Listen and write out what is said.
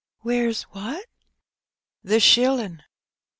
"Where's what?" "The shillin'."